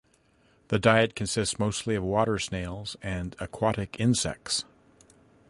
The diet consists mostly of water snails and aquatic insects.